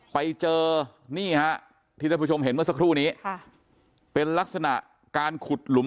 ไปเจอนี่ฮะที่ท่านผู้ชมเห็นเมื่อสักครู่นี้ค่ะเป็นลักษณะการขุดหลุม